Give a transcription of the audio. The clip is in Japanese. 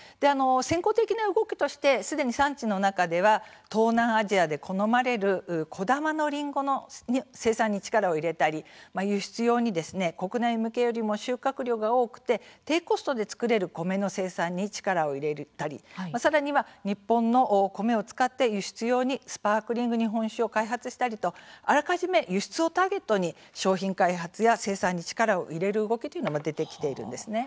先行的な動きとしてすでに産地の中では東南アジアで好まれる小玉のリンゴの生産に力を入れたり輸出用に国内向けよりも収穫量が多くて低コストで作れる米の生産に力を入れたりさらには日本の米を使って輸出用にスパークリング日本酒を開発したりとあらかじめ輸出をターゲットに商品開発や生産に力を入れる動きというのも出てきているんですね。